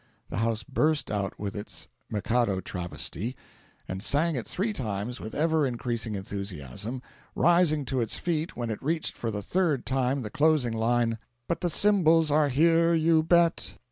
The house burst out with its "Mikado" travesty, and sang it three times with ever increasing enthusiasm, rising to its feet when it reached for the third time the closing line "But the Symbols are here, you bet!"